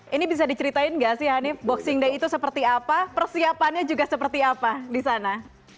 ini bisa diceritain nggak sih hanif boxing day itu seperti apa persiapannya juga seperti apa di sana